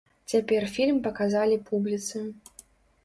Цяпер фільм паказалі публіцы.